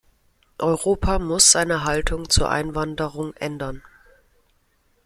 Europa muss seine Haltung zur Einwanderung ändern.